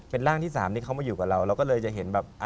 เป็นร่างที่๓ที่เขามาอยู่กับเราเราก็เลยจะเห็นแบบ